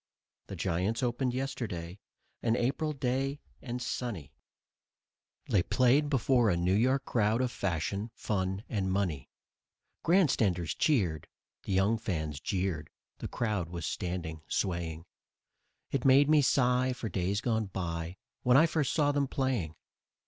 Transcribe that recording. The Giants opened yesterday, an April day and sunny; They played before a New York crowd of fashion, fun and money. Grandstanders cheered, the young fans jeered; the crowd was standing, swaying, It made me sigh for days gone by, when first I saw them playing.